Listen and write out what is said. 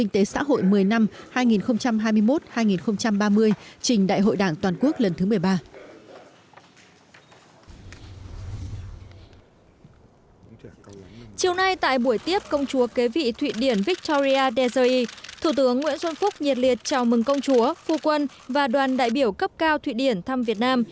thủ tướng nguyễn xuân phúc nhiệt liệt chào mừng công chúa phu quân và đoàn đại biểu cấp cao thụy điển thăm việt nam